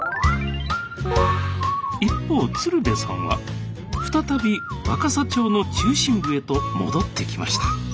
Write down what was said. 一方鶴瓶さんは再び若桜町の中心部へと戻ってきました